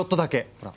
ほら。